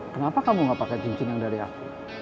kenapa kamu gak pakai cincin yang dari aku